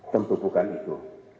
tentu bukan itu